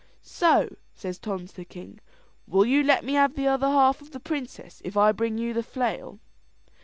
"So," says Tom to the king, "will you let me have the other half of the princess if I bring you the flail?"